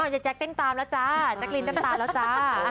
ยายแจ๊กเต้นตามแล้วจ้าแจ๊กลินเต้นตามแล้วจ้า